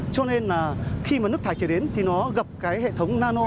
cho nên là khi mà nước thải trở đến thì nó gặp cái hệ thống nano